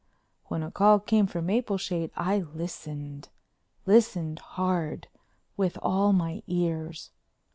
When a call came for Mapleshade I listened, listened hard, with all my ears.